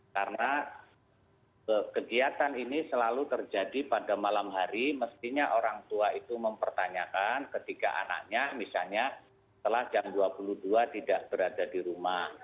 karena kegiatan ini selalu terjadi pada malam hari mestinya orang tua itu mempertanyakan ketika anaknya misalnya setelah jam dua puluh dua tidak berada di rumah